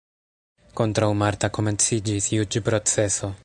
Kontraŭ Marta komenciĝis juĝproceso.